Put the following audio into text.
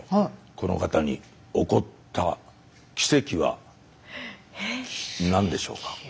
この方に起こった奇跡は何でしょうか？